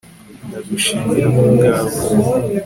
Ndagushimira kubwawe